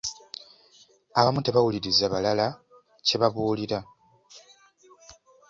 Abamu tebawuliriza balala kyebabuulira.